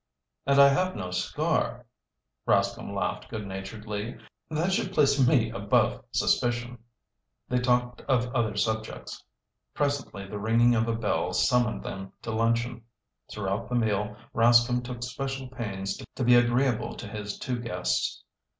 "And I have no scar," Rascomb laughed good naturedly. "That should place me above suspicion." They talked of other subjects. Presently the ringing of a bell summoned them to luncheon. Throughout the meal, Rascomb took special pains to be agreeable to his two guests.